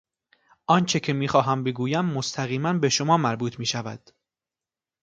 آنچه که میخواهم بگویم مستقیما به شما مربوط میشود.